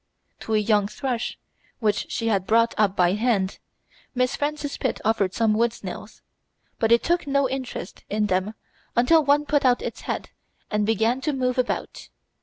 To a young thrush, which she had brought up by hand, Miss Frances Pitt offered some wood snails, but it took no interest in them until one put out its head and began to move about.